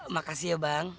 makasih ya bang